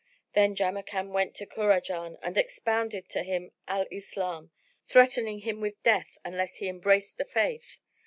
Then Jamrkan went in to Kurajan and expounded to him Al Islam, threatening him with death unless he embraced the Faith.